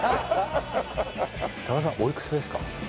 高田さんおいくつですか？